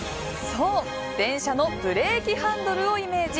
そう、電車のブレーキハンドルをイメージ。